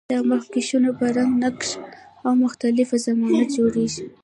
دا مخکشونه په رنګ، نقش او مختلف ضخامت جوړیږي.